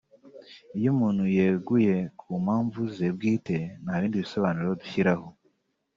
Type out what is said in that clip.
Iyo umuntu yeguye ku mpamvu ze bwite nta bindi bisobanuro dushyiraho